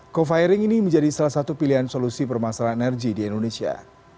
co firing ini menjadi salah satu pilihan solusi permasalahan energi di indonesia